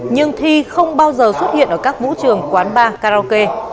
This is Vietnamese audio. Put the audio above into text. nhưng thi không bao giờ xuất hiện ở các vũ trường quán bar karaoke